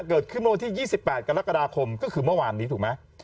เกิดขึ้นเมื่อวันที่๒๘กรกฎาคมก็คือเมื่อวานนี้ถูกไหม